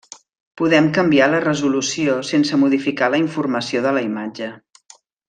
Podem canviar la resolució sense modificar la informació de la imatge.